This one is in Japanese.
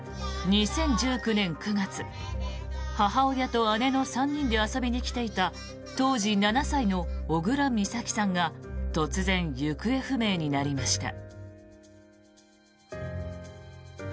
２０１９年９月母親と姉の３人で遊びに来ていた当時７歳の小倉美咲さんが突然、行方不明になりました。